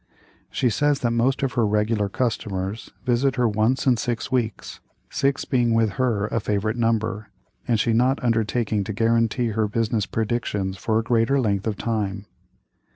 She says that most of her "regular customers" visit her once in six weeks, six being with her a favorite number, and she not undertaking to guarantee her business predictions for a greater length of time.